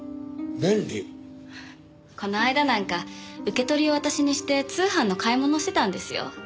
この間なんか受け取りを私にして通販の買い物してたんですよ。